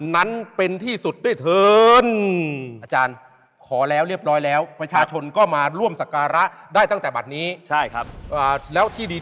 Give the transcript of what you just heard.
นั้นเป็นที่สุดด้วยเถอะ